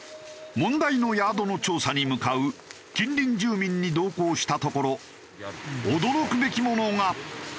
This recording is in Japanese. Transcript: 問題のヤードの調査に向かう近隣住民に同行したところ驚くべきものが！